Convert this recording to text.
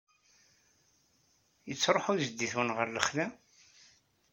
Yettṛuḥu jeddi-twen ɣer lexla?